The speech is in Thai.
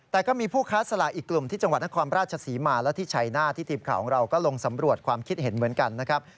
แต่ก็มีผู้ค้าสลากอีกกลุ่มที่จังหวัดนครราชศรีมาและที่ชัยหน้าที่ทีมข่าวของเราก็ลงสำรวจความคิดเห็นเหมือนกันนะครับ